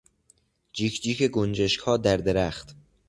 جیک جیک گنجشکها در درخت